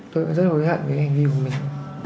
tôi rất hối hạn với hành vi của mình